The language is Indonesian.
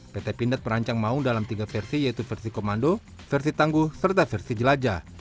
pt pindad merancang maung dalam tiga versi yaitu versi komando versi tangguh serta versi jelajah